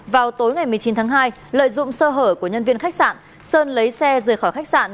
vào tối ngày một mươi chín tháng hai lợi dụng sơ hở của nhân viên khách sạn sơn lấy xe rời khỏi khách sạn